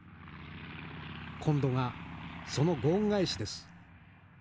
今度がそのご恩返しです。